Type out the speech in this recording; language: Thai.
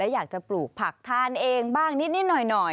อยากจะปลูกผักทานเองบ้างนิดหน่อย